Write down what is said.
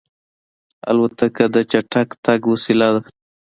الوتکه د چټک تګ وسیله ده.